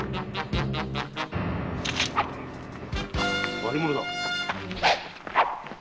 何者だ。